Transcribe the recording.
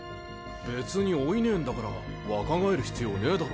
別に老いねえんだから若返る必要ねえだろ。